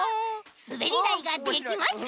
すべりだいができました！